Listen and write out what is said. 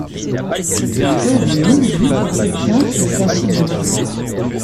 Près de mille juifs éthiopiens furent ainsi bloqués.